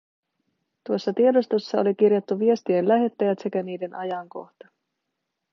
Tuossa tiedostossa oli kirjattu viestien lähettäjät sekä niiden ajankohta.